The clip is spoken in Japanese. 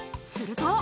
すると。